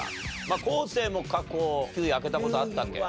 昴生も過去９位開けた事あったっけ？